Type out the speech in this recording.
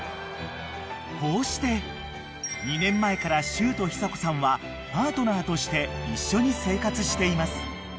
［こうして２年前からしゅうと久子さんはパートナーとして一緒に生活しています］